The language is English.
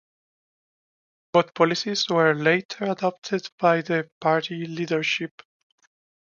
Both policies were later adopted by the party leadership.